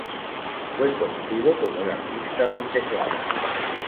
Fue conocido como "El Artista del Teclado".